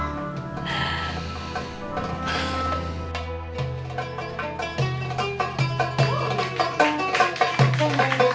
takde supaya yacht yang berhasil